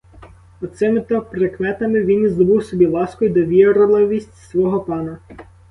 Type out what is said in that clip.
От цими то прикметами він і здобув собі ласку й довірливість свого пана.